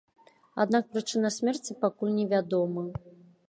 Аднак прычына смерці пакуль не вядома.